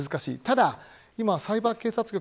ただ、今サイバー警察局。